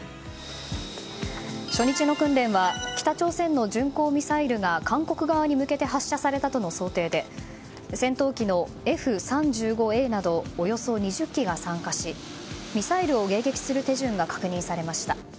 初日の訓練は北朝鮮の巡航ミサイルが韓国側に向けて発射されたとの想定で戦闘機のＦ３５Ａなどおよそ２０機が参加しミサイルを迎撃する手順が確認されました。